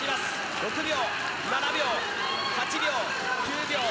６秒、７秒、８秒、９秒。